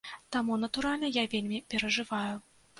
Таму, натуральна, я вельмі перажываю.